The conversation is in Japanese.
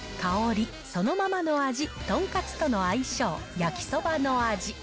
コストパフォーマンス、香り、そのままの味、とんかつとの相性、焼きそばの味。